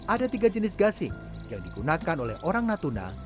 ada tiga jenis gasing yang digunakan oleh orang natuna